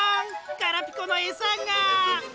ガラピコのエサが！